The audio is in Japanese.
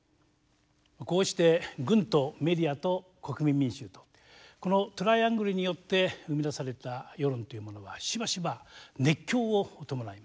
こうして軍とメディアと国民民衆とこのトライアングルによって生み出された世論というものはしばしば熱狂を伴います。